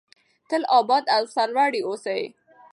تل اباد او سرلوړي اوسئ.